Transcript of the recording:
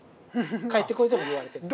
帰ってこいとも言われてない。